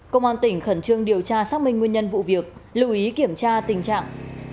công an tỉnh khẩn trương điều tra xác minh nguyên nhân vụ việc lưu ý kiểm tra tình trạng